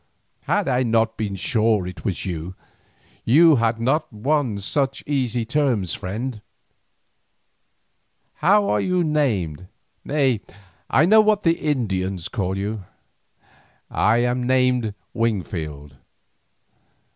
Had I not been sure that it was you, you had not won such easy terms, friend. How are you named? Nay, I know what the Indians call you." "I am named Wingfield."